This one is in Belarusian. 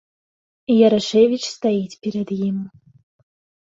Ярашэвіч стаіць перад ім.